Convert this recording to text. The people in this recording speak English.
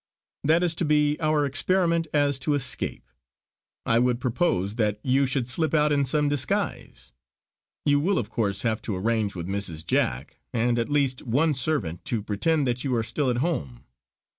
"That is to be our experiment as to escape. I would propose that you should slip out in some disguise. You will of course have to arrange with Mrs. Jack, and at least one servant, to pretend that you are still at home.